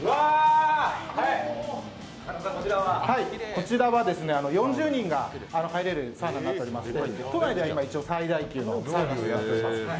こちらは４０人が入れるサウナになっていまして都内では最大級のサウナになっております。